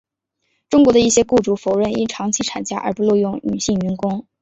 中国的一些雇主否认因长期产假而不录用女性员工。